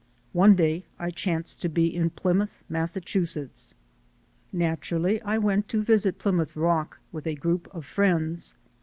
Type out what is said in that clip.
One day I chanced to be in Plymouth, Massachusetts. Naturally I went to visit Plymouth Rock with a group of friends.